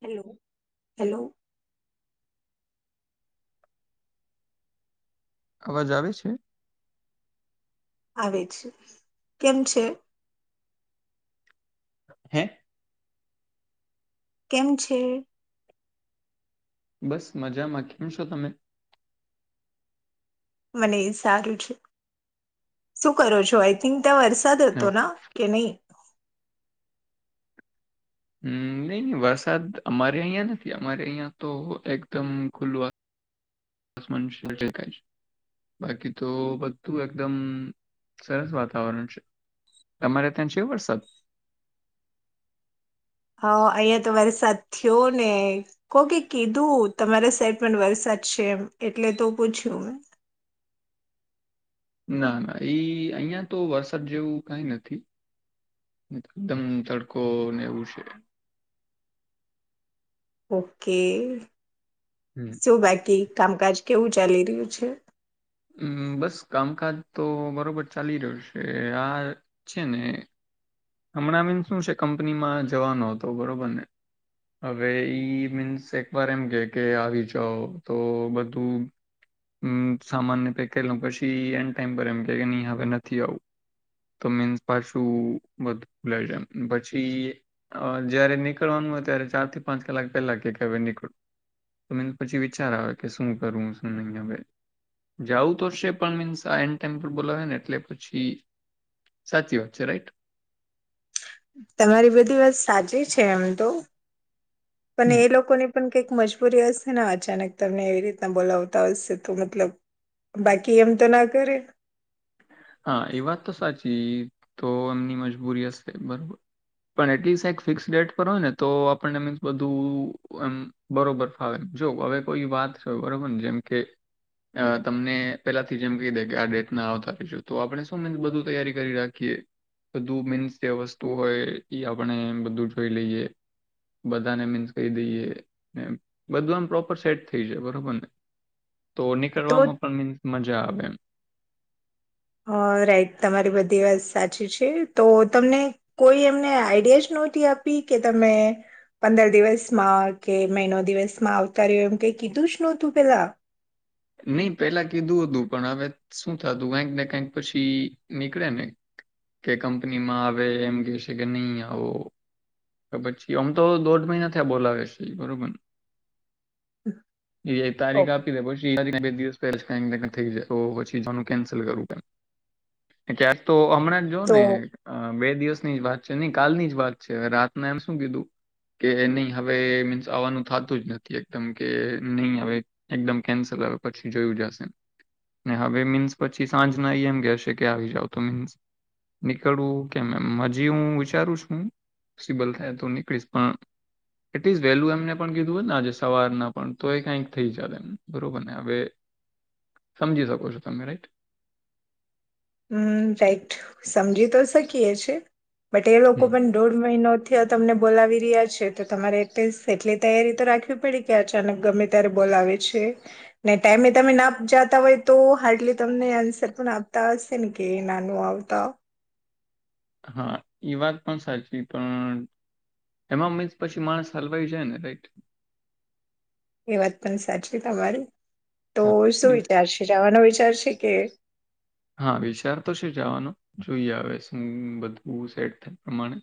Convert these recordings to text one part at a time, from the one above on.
Hello. Hello. અવાજ આવે છે. આવે છે કેમ છે? હે. કેમ છે? બસ મજામાં કેમ છો તમે? મને એ સારું છે શું કરો છો આઈ થિંક ત વરસાદ એવું. હતોના કે નહી. હમ નહી નહી વરસાદ અમારે અહીંયા નથી. અમારે અહિયાં તો એકદમ ખુલ્લુંસ બાકી તો બધું એકદમ સરસ વાતાવરણ છે તમારે ત્યાં છે વરસાદ? હા અહિયાં તો વરસાદ થયો ને કોકે કીધું તમારા સાઈડ પણ વરસાદ છે એમ એટલે તો પૂછ્યું મેં. ના ના એઈ અહં તો વરસાદ જેવું કઈ નથી એકદમ તડકો ને એવું છે. ઓકે. હમ શું બાકી? કામકાજ કેવું ચાલી રહ્યું છે? હમ્મ બસ કામકાજ તો બરોબર ચાલી રહ્યું છે આ છે ને. હમણાં આ મીન્સ શું છે કંપનીમાં જવાનો હતો બરોબર ને હવે ઈ મીન્સ એક વાર એમ કે કે આવી જાઓ તો બધું સામાનને પેક કરીલ પછી એ ટાઈમ પર એમ કે નહી હવે નથી આવું તો મીન્સ પાછું બધુંલામ પછી જયારે નીકળવાનું હોય ત્યારે ચાર થી પાંચ કલાક પહેલા કે હવે નીકળો‌ એમ પછી વિચાર આવે કે શું કરવું શું નહી હ જવું તો હશે પણ મીન્સ આ એન્ડ ટાઈમ પર બોલાવેને એટલે પછી સાચી વાત છે રાઈટ. તમારી બધી વાત સાચી છે એમ તો પણ હમ એ લોકોને પણ કઈક મજબૂરી હશે ને અચાનક તમને એવી રીતના બોલાવતા હશે તો મતલબ બાકી એમ તો ના કરે. હા એ વાત તો સાચી તો એમની મજબૂરી હશે બરોબર પણ એટલીસ્ટ એક ફિક્સ ડેટ પર હોય ને તો આપણને એ બધું એમ બરોબર ફાવે જો હવે કોઈ વાત હોય બરોબર ને જેમ કે તમને પેલાથી જેમ કહી દે કે આ ડેટ ના આવતાજ તો આપણે શું મીન્સ બધું તૈયારી કરી રાખીએ બધું મીન્સ જે વસ્તુ હોય એ આપણે બધું જોઈ લઈએ બધાને મીન્સ કહી દઈએ બધું આમ પ્રોપર સેટ થઈ જાય બરોબર ને. તો તો નીકળવામાં પણ મીન્સ મજા આવે એમ. હ રાઈટ તમારી બધી વાત સાચી છે તો તમને કોઈ એમને આઈડિયા જ નહોતી આપી કે તમે પંદર દિવસમાં કે મહિનો દિવસમાં આવતા રહ્યો એમ કઈ કીધું જ નહતું પેલા? નહી પેલા કીધું હતું્ પણ હવે શું થતું કંક ને કઈક પછી નીકળે ને કે કંપનીમાં આવે એમ કે છે કે નહી આવો. પછી આમ તો દોઢ મહિના થયા બોલાવે છે બરોબરને. એ ઓ. તારીખ આપી ને પછી જ ચી કન્સલ કરું ક્યાંક તો હમણાં જો તો ને બે દિવસ ની જ વાત છે નહી કાલની જ વાત છે હવે મે એમ શું કીધું કે નહી હવે મીન્સ આવવાનું થતું જ નથી એકદમ કે નહી હવે એકદમ કેન્સલ આવે પછી જોયું જશે ને હવે મીન્સ પછી સાંજના એમ કહેશે કે આવી જાવ તો મીન્સ નીકળવું કેમ એમ હજી હું વિચારું છું. પોસિબલ થાય તો નીકળીશ પણ એટલીસ્ટ વહેલું એમને પણ કીધું હોય ને આજે સવારના પણ તો એ કઈક થઈ જલે એમ બરોબર ને હવે સમજી શકો છો તમે રાઈટ. હમ્મ રાઈટ સમજી તો શકીએ છે. બટ એ લોકો હમ પણ દોઢ મહિનોથી તમને બોલાવી રિયા છે. તો તમારે એટલીસ્ટ એટલી તૈયારી તો રાખવી પડી કે અચાનક ગમે ત્યારે બોલાવે છે ને ટાઈમે તમે ના જતા હોય તો હાર્ડલી તમને આન્સર પણ આપતા હશે. ત કે નાનું આવતા. હા એ વાત પણ સાચી પણ એમાં મ પછી માણસ હલવાઈ જાય ને રાઈટ એ વાત પણ સાચી તમારી તો હા શું મીન્સ વિચારશે જવાનો વિચાર ચર્શિકે હા વિચાર તો છે જવાનો જોઈએ હવે શું બધું સેટ થાય પ્રમાણે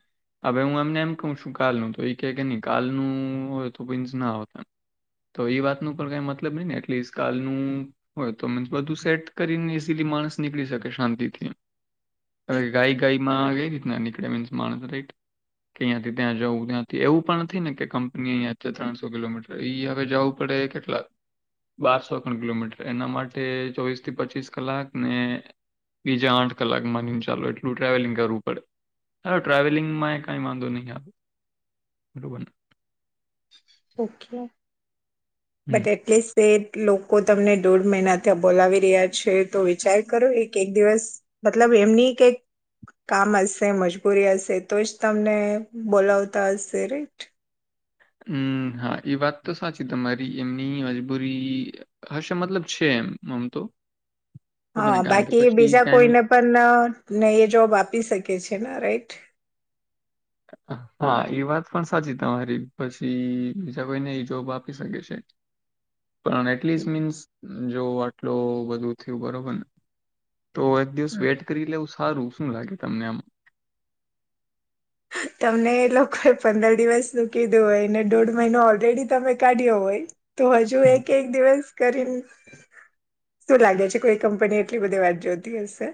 હ હું એમને એમ કહ છું કાલનું તો એ કે કે નહી કાલનું હોય તો મીન્સ ના હોતા તો એ વાતનું પર કઈ મતલબ નહી ને એટલી કાલનું હોય તો મીન્સ બધું સેટ કરીને ઈઝીલી માણસ નીકળી શકે શાંતિથી હવે ગાય ગાયમાં એવી રીતના નીકળે મીન્સ માણસ રાઈટ કે અહીંથી ત્યાં જવું ત્યાંથી એવું પણ નથી ને કે કંપની અહીંયા છે ત્રણસો કિલોમીટર ઈ હવે જવું પડે કેટલા બારસોખણ કિલોમીટર એના માટે ચોવીસ થી પચીસ કલાક બીજા આઠ કલાક માની ચાલ એટલું ટ્રાવેલિંગ કરવું પડે ચાલ ટ્રાવેલિંગમાં કઈ વાંધો નહી આવે બરોબરને ઓખ હમ બટ એટલીે લોકો તમને દોઢ મહિના ત્યાં બોલાવી રહ્યા છે તો વિચાર કરો એક એક દિવસ મતલબ એમની કઈક કામ હશે મજબૂરી હશે તો જ તમને બોલાવતા હશે. રાઈટ હમ હા એ વાત તો સાચી તમારી એમની મજબૂરી હશે મતલબ છે એમ આમ તો બને હા કારણ કે બાકી પછી બીજા કાયમી કોઈને પણને એ જોબ આપી શકે છે ને રાઈટ હા એ વાત પણ સાચી તમારી પછી બીજા કોઈને એ જોબ આપી શકે છે પણ એટલીસ્ટ મીન્સ જો આટલો બુ થયું બરોબરને તો એક દિવસ વેટ કરી લઉં સારું શું લાગે તમને આમાં તમને એ લોકોએ પંદર દિવસનું કીધું હોય ને દોઢ મહિનો ઓલરેડી તમે કાઢ્યો હોય તો હજુ હમ્મ. એક એક દિવસ કરીને શું લાગે છે કોઈ કંપની એટલી બધી વાત જોતી હશે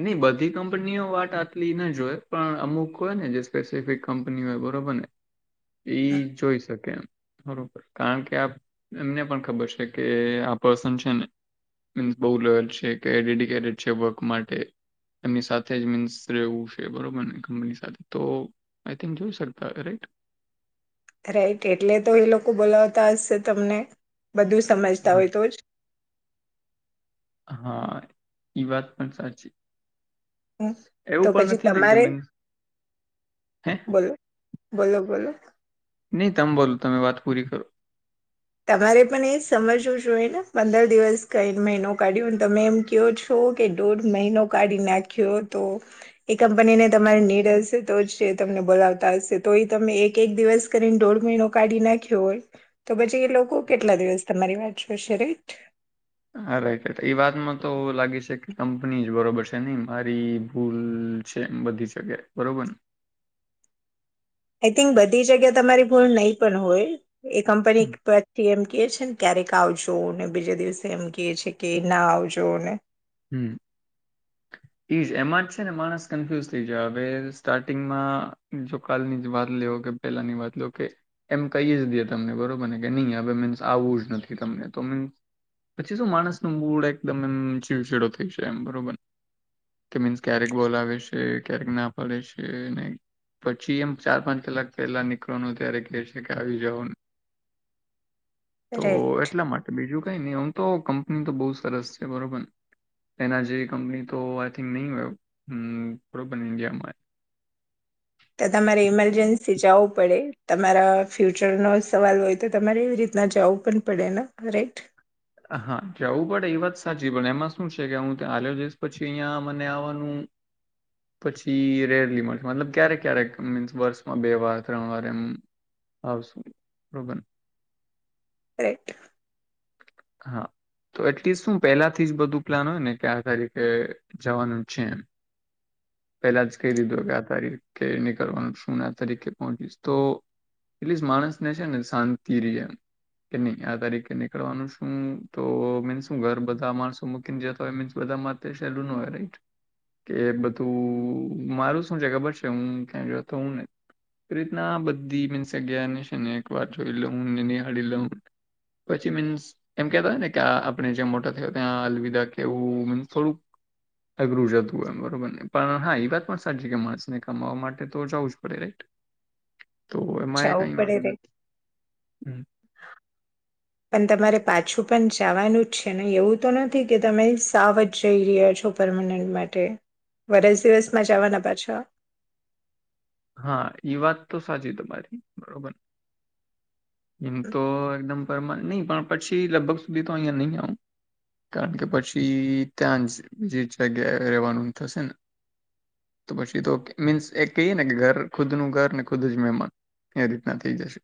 નહી બધી કંપનીઓ વાત આટલી ના જોય પણ અમુક હોય ને જે સ્પેસિફિક કંપની હોય બરોબર ને એ જોઈ શકે એમ બબ કારણ કે એમને પણ ખબર છે કે આ પર્સન છે ને મીન્સ બહ લેલ છે કે, ડેડિકેટેડ છે વર્ક માટે એમની સાથે જ મીન્સ રહેવું છે બરોબરને કંપની સાથે તો આઈ થિક જોઈ શકતા રાઈટ રાઈટ એટલે તો એ લોકો બોલાવતા હશે તમને બધું સમજતા હમ. હોય તો જ હા એઈ વાત પણ સાચી હ તો એવું પણ પછી નથી ને કે તમારે મીન્સ હે બોલો બોલો બોલો નહી તમ બોલ તમે વાત પૂરી કરો તમારે પણ એ સમજવું જોએ ને પંદર દિવસ કને મહિનો કાઢ્યો તમે એમ કો છો કે દોઢ મહિનો કાઢી નાખ્યો તો એ કંપનીને તમારી નીડ હશે તો જ તમને બોલાવતા હશે તો એ તમે એક એક દિવસ કરીને દોઢ મહિનો કાઢી નાખ્યો હોય તો પછી એ લોકો કેટલા દિવસ તમારી વાત છેશે રટ હા રાઈટ રાઈટ એ વાતમાં તો લાગે છે કે કંપની જ બરોબર છે નહી મારી ભૂલ છે એ બધી જગ્યા બરોબરને આઈ થિંક બધી જગ્યા તમારી ભૂણ નહી પણ હોય એ કંપની હમ પછી એમ ક છે ને ક્યારેક આવજો ને બીજા દિવસે એમ ક છે કે ના આવજો ને હમ ઈજ એમાં જ છે ને માણસ કન્ફ્યુઝ થઈ જાય હવે સ્ટાર્ટિંગમાં જો કાલની જ વાત લેવ કે પહેલાની વાત લે કે એમ કહી જ દે તમને બરોબર ને કે નહી હવે મીન્સ આવું જ નથી તમને તો મીન્સ પછી શું માણસ ન મૂડ એકદમ એમ છડો થઈ છે એમ બરોબર કે મીન્સ ક્યારેક બોલ આવે છે ક્યારેક ના ફડે છે પછી એમ ચાર પાંચ કલાક પહેલા નીકળવાનું ત્યારે કે છે કે આવી જવ તો રાઈટ એટલા માટે બીજું કઈ ન એમ તો કંપની તો બહુ સરસ છે બરોબર ને એના જેવી કંપની તો આઈ થિંક નહી હોય થોડ પણ ઈન્ડિયામાં તો તમારે ઇમરજન્સી જવું પડે તમારા ફ્યુચરનોો સવાલ હોય તો તમારે એવી રીતના જવું પણ પડે ને રાઈટ હા જવું પડે એ વાત સાચી પડ એમાં શું છે કે હું ત્યાં હાલ્યો જઈશ પછી અહિયાં મને આવવાનું પછી રેરલી મળશે મતલબ ક્યારેક ક્યારેક મીન્સ વર્ષમાં બે વાર ત્રણ વાર એમ આવશું બબર રટ હા તો એટલીસ્ટ શું પહેલાથી જ બધું પ્લાન હોય ને કે આ તારીકેે જવાનું છે એમ પહેલા જ કહી દીધું કે આ તારીખે નીકળનું શુંને આ તારીકે પહોચીશ તો એટ માણસને છે ને શાંતિ ર એમ કે નહી આ તારીકે ની કરવાનું શું તો ઘર બધા માણસો ઇન્ડિયા તો એને બધા માટે સહેલું ન હોય રાઈટ. કે બધું, મારું શું છે ખબર છે હું કતો. હોઉ ને એ રીતના બધી મીન્સ અગને એક વાર જોઈ લઉને, નિહાળી લઉ. પછી મીન્સ એમ કેતા હોય ને કે આપણે જ્યાં મોટા થયા, ત્યાં અલવિદા કેવું મી થોડુંક અઘરું જતું હોય બરોબરને પણ હા એ વાત પણ સાચી કે માણસને કમાવા માટે તો જવું જ પડે રાઈટ. તો એમાં એ જવું કઈ પડે વાંધો રાઈટ નથી. હમ પણ તમારે પાછું પણ જવાનું જ છે, ને એવું તો નથી કે તમે સાવ જ જઈ રહ્યા છો પરર્મનન્ટ, માટે વરસ દિવસમાં જવાના પાછા? હા એઈ વાત તો સાચી તમારી બરોબર. એમ તો એકદમ નહી પણ પછી લગભગ સુધી તો અહી નહી આવ, કારણ કે પછી ત્યાં જ બ જગ્યા રવાનું થશે ને તો પછી, તો મીન્સ એ કહી ઘર ખુદ નું ઘર ને ખુદ જ મહેમાન એ રીતના થઈ જશે.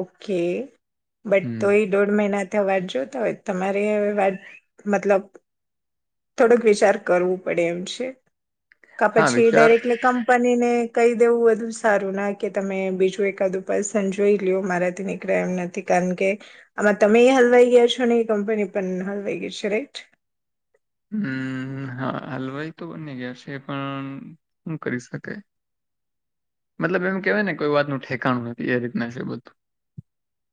ઓકે! બટ તો હમ એ દોઢ મહિના વાત જો તો હોય તમારે વા મતલબ થોડોક વિચાર કરવું પડે એમ છે. કા હા પછી વિચાર ડાયરેક્ટલી કમ બનીને કહી દેવું બધુ સારું ના કે તમે બીજું એકાદું પર્સન જોઈ. મારાથી નીકળ્યા એમ નથી કારણ કે આમાં તમે એ હલવાઈ ગયા છો, ને એ કંપની પણ હલવાઈ ગઈ છે. રાઈટ! હમ હા હલવાઈ તો બની ગયા છે, પણ શું કરી શકે મતલબ એમ કેવાય ને કોઈ વાતનું ઠેકાણું નથી, એ રીતના છે બધું.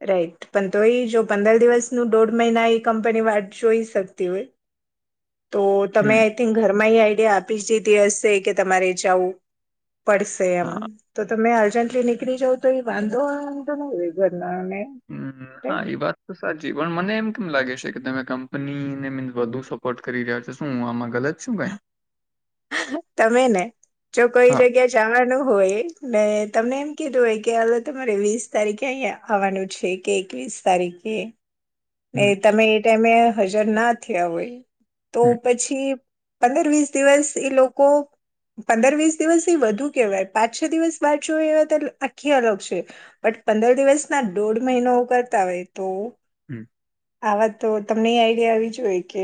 રાઈટ પણ તો એ જો પંદર દિવસનું દોઢ મહિના એ કંપની વાત જોઈ શકતી હોય. તો તમે હમ આઈ થિંક ઘરમાં આ એ આપણી સ્થિતિ હશે કે તમારે જાવું પડે પડશે એમ હા તો તમે જલ્દી નીળી જાવ, તો એ વાંધો વાંધો ન ઘરનાને હમ હા રાઈટ એ વાત તો સાચી પણ મને એમ એમ લાગે છે કે તમે કંપની ને મીન્સ વધુ સપોર્ટ કરી રહ્યા છો. શું આમાં ગલત? શું ભાઈ? તમે ને જો કોઈ હા જગ્યા જવાનું હોય ને તમને એમ કીધું હોય કે હવે તમારે વીસ તારીખે અહિયાં આવવાનું છે, કે એકવીસ તારીખે એ હમ તમે એ ટાઈમે હજર ના થયા હોય. તો હમ પછી પંદર વીસ દિવસ એ લોકો, પંદર વીસ દિવસ એ વધુ કેહેવાય પાંચ - છ દિવસ વાટ જો એવા તો આખી અલગ છે. પણ પંદર દિવસના દોઢ મહિનો કરતા હોય તો હમ. આવા તો તમને એ આઈડિયા આવી જોઈએ કે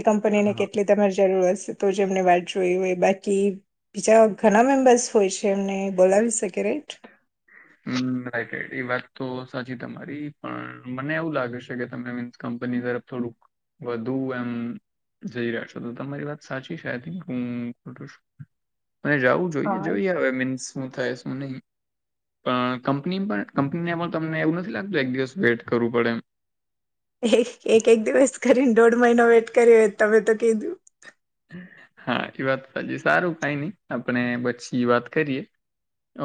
એ કંપની ને હા કેટલી તમારી જરૂર હશે. તો જ એમને વાટ જોઈ હોય બાકી બીજા ઘણા મેમ્બર્સ હોય છે. એમને બોલાવી શકે રાઈટ! હમ રાઈટ રાઈટ એ વાત તો સાચી તમારી પણ મને એવું લાગે છે કે તમે મી કંપની તરફ થોડુંક વધુ એમ જઈ રહ્યા છો. તો તમારી વાત સાચી છે આ થિક હું ખટું છું. અને જવું જોઈએ હા જોઈએ હવે મીન્સ શું થાય શું નહી. પણ કંપની પણ કંપનીને પણ તમને એવું નથી લાગતું એક દિવસ વેઇટ કરવું પડે એમ. એક એક એક દિવસ કરીને દોઢ મહિનો વેટ. કર તમે તો કેું. હા એ વાત સાજીી સારું કઈ નઈ આપણે પછી વાત કરીએ.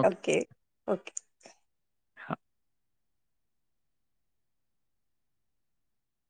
Okay okay. હા.